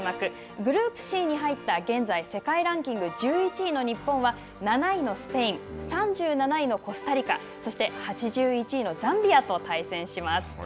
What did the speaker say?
グループＣに入った現在世界ランキング１１位の日本は７位のスペイン、３７位のコスタリカ、そして８１位のザンビアと対戦します。